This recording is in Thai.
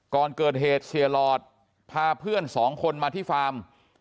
ก่อนเกิดเหตุเสียหลอดพาเพื่อนสองคนมาที่ฟาร์ม